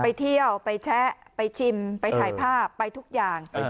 ไปเที่ยวไปแชะไปชิมไปถ่ายภาพไปทุกอย่าง